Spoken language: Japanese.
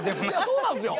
そうなんですよ。